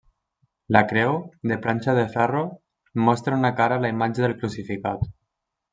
La creu, de planxa de ferro, mostra en una cara la imatge del crucificat.